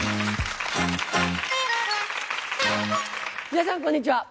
皆さんこんにちは。